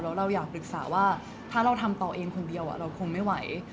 แล้วเราอยากปรึกษาว่าถ้าเราทำต่อเองคนเดียวเราคงไม่ไหว